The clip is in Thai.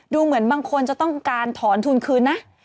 ดูเหมือนบางคนจะต้องการถอนทุนคืนนะ